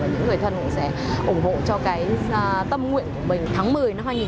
và những người thân mình sẽ ủng hộ cho cái tâm nguyện của mình